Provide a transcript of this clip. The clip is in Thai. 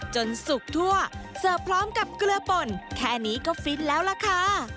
สุกทั่วเสิร์ฟพร้อมกับเกลือป่นแค่นี้ก็ฟินแล้วล่ะค่ะ